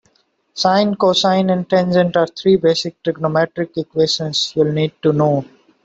Sine, cosine and tangent are three basic trigonometric equations you'll need to know.